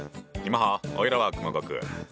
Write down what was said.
おいらは熊悟空！